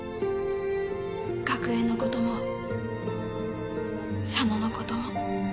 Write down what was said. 学園のことも佐野のことも。